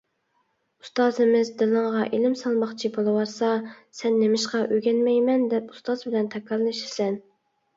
ئۇستازىمىز دىلىڭغا ئىلىم سالماقچى بولۇۋاتسا، سەن نېمىشقا ئۆگەنمەيمەن دەپ، ئۇستاز بىلەن تاكاللىشىسەن؟